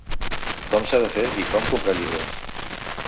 Com s’ha de fer i com comprar llibres?